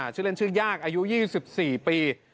ชื่อเล่นชื่อญากอายุยี่สิบสี่ปี